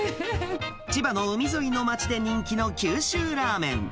千葉の海沿いの町で人気の九州ラーメン。